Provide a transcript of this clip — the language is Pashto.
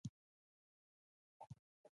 د ګوتې ځای نه و.